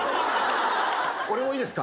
俺もいいですか？